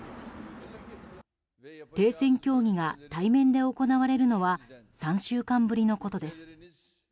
停戦協議が対面で行われるのは３週間ぶりのことです。